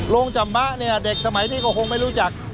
จำมะเนี่ยเด็กสมัยนี้ก็คงไม่รู้จัก